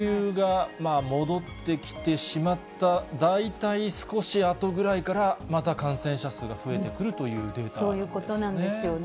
なんつまり、人流が戻ってきてしまった大体少しあとぐらいから、また感染者数が増えてくるというデータなんですね。